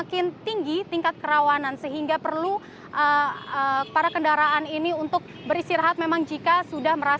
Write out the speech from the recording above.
sekarang semakin tinggi tingkat kerawanan sehingga perlu para kendaraan ini untuk beristirahat memang jika sudah merasa letih begitu hera